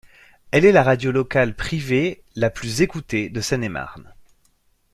Elle est la radio locale privée la plus écoutée de Seine-et-Marne.